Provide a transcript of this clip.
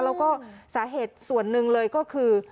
แล้วก็สาเหตุส่วนหนึ่งเลยก็คือ